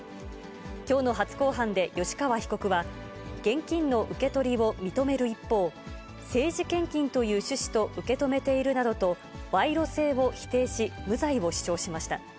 きょうの初公判で吉川被告は、現金の受け取りを認める一方、政治献金という趣旨と受け止めているなどと賄賂性を否定し、無罪を主張しました。